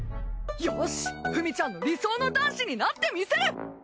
よしフミちゃんの理想の男子になってみせる！